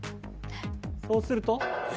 そうすると。